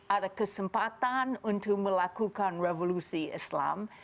ada kesempatan untuk melakukan revolusi islam